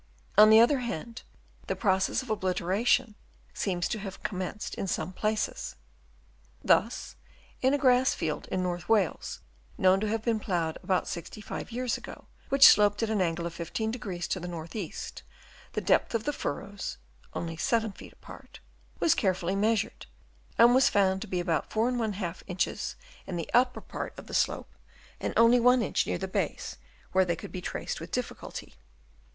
On the other hand the process of obliteration seems to have com menced in some places. Thus in a grass field in North Wales, known to have been ploughed about 65 years ago, which sloped at an angle of 15° to the north east, the depth of the furrows (only 7 feet apart) was care fully measured, and was found to be about 4^ inches in the upper part of the slope, and only I inch near the base, where they could be traced with difficulty.